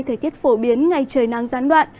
thời tiết phổ biến ngày trời nắng gián đoạn